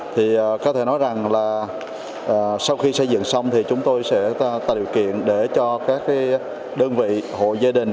thì có thể nói rằng là sau khi xây dựng xong thì chúng tôi sẽ tạo điều kiện để cho các đơn vị hội gia đình